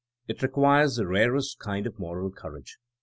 It requires the rarest kind of moral courage.